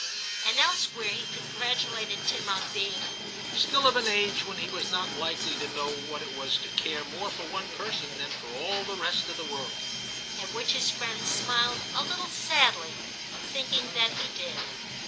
* And elsewhere he congratulated Tim on being * still of an age when he was not likely to know what it was to care more for one person than for all the rest of the world,* at which his friend smiled a little sadly, thinking that he did.